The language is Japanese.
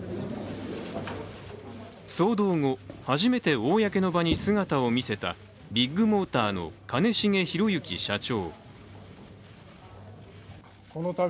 騒動後、初めて公の場に姿を見せたビッグモーターの兼重宏行社長。